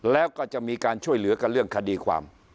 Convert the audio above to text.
แล้วก็จะมีการช่วยเหลือกันเรื่องคดีความ